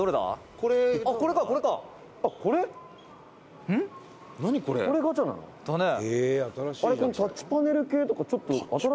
「このタッチパネル系とかちょっと新しいね」